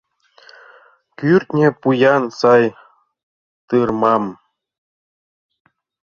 Кӱртньӧ пӱян сай тырмам